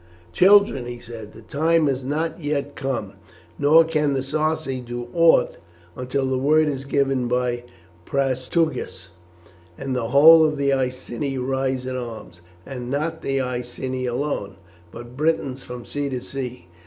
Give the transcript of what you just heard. "Children," he said, "the time has not yet come, nor can the Sarci do aught until the word is given by Prasutagus, and the whole of the Iceni rise in arms, and not the Iceni alone, but Britons from sea to sea.